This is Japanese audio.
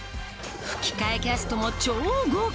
吹き替えキャストも超豪華！